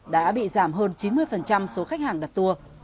đã bị giảm hơn chín mươi số khách hàng đặt tour